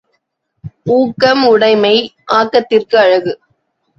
ஊக்கம் உடைமை ஆக்கத்திற்கு அழகு.